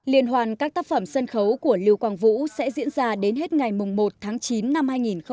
liên hoàn các tác phẩm sân khấu của lưu quang vũ sẽ diễn ra đến hết ngày một tháng chín năm hai nghìn một mươi tám